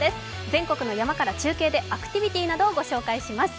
全国の山から中継で、アクティビティーなどをご紹介します。